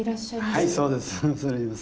はいそうです。